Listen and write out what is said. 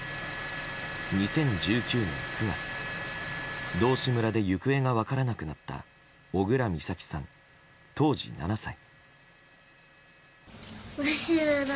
２０１９年９月道志村で行方が分からなくなった小倉美咲さん、当時７歳。